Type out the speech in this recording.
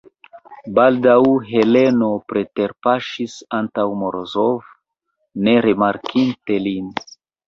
Baldaŭ Heleno preterpaŝis antaŭ Morozov, ne rimarkinte lin.